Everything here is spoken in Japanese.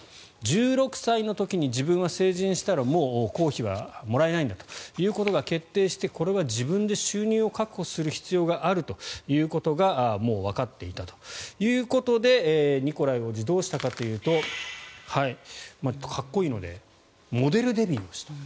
１６歳の時に自分は成人したらもう公費はもらえないんだということが決定してこれは自分で収入を確保する必要があるということがもうわかっていたということでニコライ王子はどうしたかというとかっこいいのでモデルデビューをした。